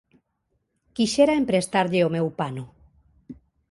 Quixera emprestarlle o meu pano.